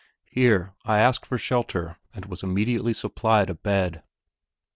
Here I asked for shelter and was immediately supplied with a bed.